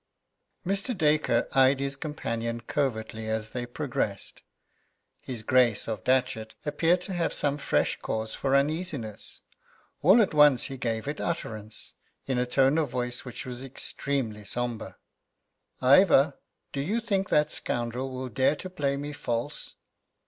Mr. Dacre eyed his companion covertly as they progressed. His Grace of Datchet appeared to have some fresh cause for uneasiness. All at once he gave it utterance, in a tone of voice which was extremely sombre: "Ivor, do you think that scoundrel will dare to play me false?"